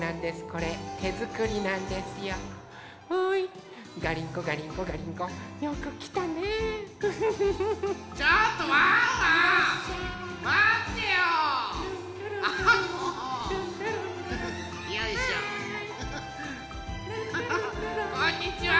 こんにちは！